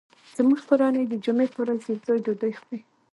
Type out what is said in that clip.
زموږ کورنۍ د جمعې په ورځ یو ځای ډوډۍ خوري